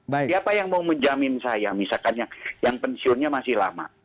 siapa yang mau menjamin saya misalkan yang pensiunnya masih lama